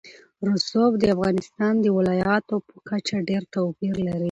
رسوب د افغانستان د ولایاتو په کچه ډېر توپیر لري.